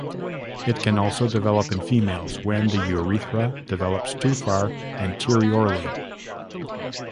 It can also develop in females when the urethra develops too far anteriorly.